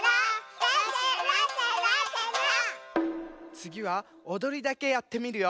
つぎはおどりだけやってみるよ！